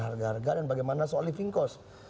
harga harga dan bagaimana soal living cost